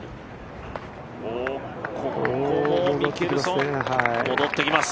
ここもミケルソン、戻ってきます。